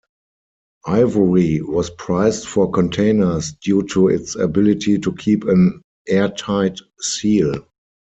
Ivory was prized for containers due to its ability to keep an airtight seal.